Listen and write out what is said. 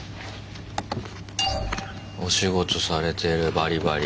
お仕事されてるバリバリ。